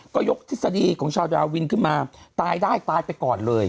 ก็ยกทฤษฎีของชาวดาวินขึ้นมาตายได้ตายไปก่อนเลย